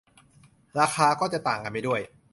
ราคาก็จะต่างกันไปด้วย